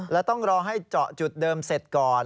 และต้องรอให้เจาะจุดเดิมเสร็จก่อน